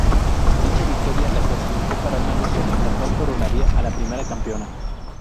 Dicha victoria la clasificó para una lucha la cual coronaria a la primera campeona.